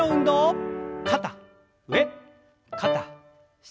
肩上肩下。